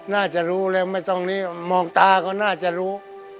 น่าจะรู้แล้วไม่ต้องนี่มองตาก็น่าจะรู้